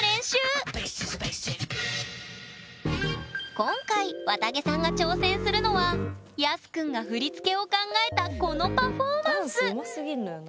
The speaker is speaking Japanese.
今回わたげさんが挑戦するのはＹＡＳＵくんが振り付けを考えたこのパフォーマンスダンスうますぎんのよな。